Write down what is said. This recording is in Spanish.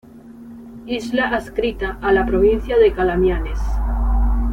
Isla adscrita a la provincia de Calamianes.